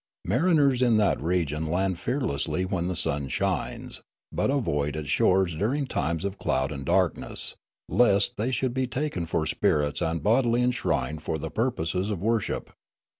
Mariners in that region land fearlessly when the sun shines, but avoid its shores during times of cloud and darkness, lest they should be taken for spirits and bodily enshrined for the pur poses of worship.